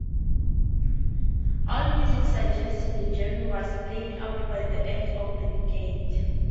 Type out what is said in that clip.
AllMusic suggests the genre was "played-out by the end of the decade".